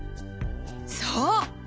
そう！